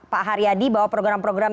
pak haryadi bahwa program program